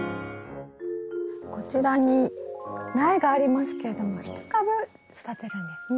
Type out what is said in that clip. こちらに苗がありますけれども１株育てるんですね？